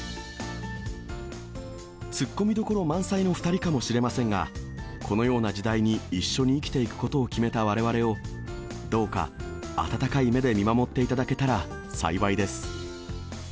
ツッコミどころ満載の２人かもしれませんが、このような時代に一緒に生きていくことを決めたわれわれを、どうか温かい目で見守っていただけたら幸いです。